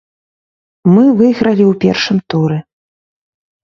Мы выйгралі ў першым туры.